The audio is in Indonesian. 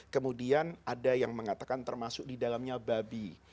kemudian ada yang mengatakan termasuk di dalamnya babi